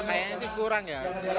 kayaknya sih kurang ya